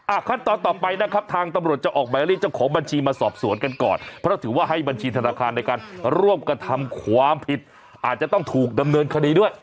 ขั้นตอนต่อไปนะครับทางตำรวจจะออกหมายเรียกเจ้าของบัญชีมาสอบสวนกันก่อนเพราะถือว่าให้บัญชีธนาคารในการร่วมกระทำความผิดอาจจะต้องถูกดำเนินคดีด้วย